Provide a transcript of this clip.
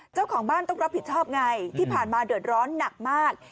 เจ้าของบ้านต้องรับผิดชอบไงที่ผ่านมาเดือดร้อนหนักมาก